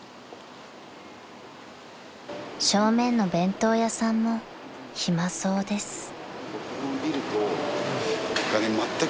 ［正面の弁当屋さんも暇そうです］